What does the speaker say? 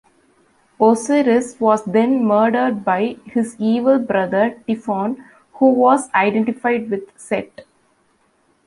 Osiris was then murdered by his evil brother Typhon, who was identified with Set.